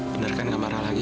bener kan nggak marah lagi